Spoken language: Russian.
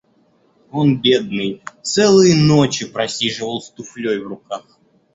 Он, бедный, целые ночи просиживал с туфлёй в руках...